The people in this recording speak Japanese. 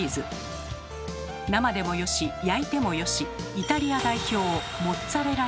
生でもよし焼いてもよしイタリア代表